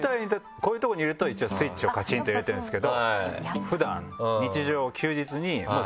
こういうとこにいると一応スイッチをカチン！と入れてるんですけど普段日常。